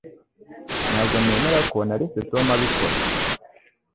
Ntabwo nemera ko naretse Tom abikora